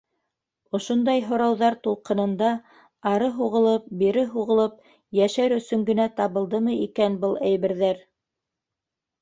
Ошондай һорауҙар тулҡынында ары һуғылып, бире һуғылып йәшәр өсөн генә табылдымы икән был әйберҙәр?